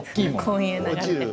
こういう流れで。